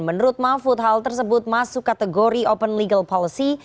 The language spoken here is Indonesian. menurut mahfud hal tersebut masuk kategori open legal policy